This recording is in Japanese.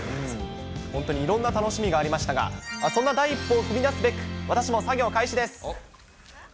本当にいろんな楽しみがありましたが、そんな第一歩を踏み出すべく、私も作業開始です。